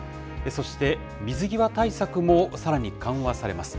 そして、水際対策もさらに緩和されます。